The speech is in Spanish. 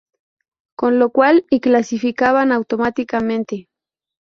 Con lo cual y clasificaban automáticamente.